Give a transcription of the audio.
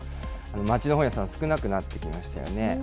街の本屋さん、少なくなってきましたよね。